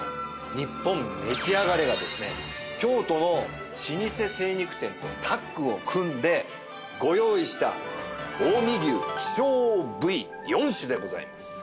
『ニッポンめしあがれ』がですね京都の老舗精肉店とタッグを組んでご用意した近江牛希少部位４種でございます。